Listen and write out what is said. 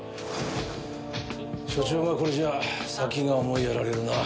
署長がこれじゃあ先が思いやられるな。